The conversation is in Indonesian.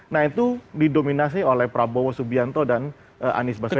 nah itu didominasi oleh prabowo subianto dan anies baswedan